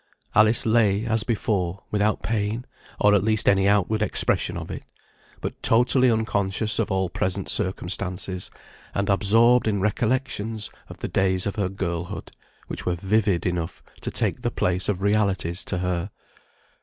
Alice lay, as before, without pain, or at least any outward expression of it; but totally unconscious of all present circumstances, and absorbed in recollections of the days of her girlhood, which were vivid enough to take the place of realities to her.